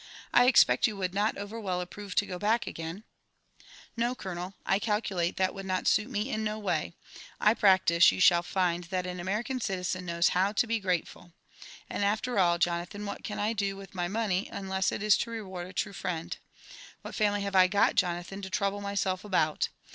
1 expect you wonld not over^well epprove to go back again ?"No, colonel — I calculate that would not suit me in no way. I 46 LIPB ANB AOVBNTURES OF practice, you shall find ^ that an American eitlzes koolira ha# U^ he grateful. And a(ter all, Jonathaii, what can I do with my pDoney, un less it is to reward a true friend? What family have I got, Jonathan, to trouble myself about?